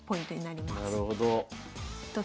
なるほど。